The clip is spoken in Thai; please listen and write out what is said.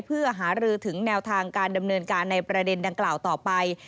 เพื่อหารือถึงแนวทางการดำเนินการในประเด็นดังกล่าวต่อไป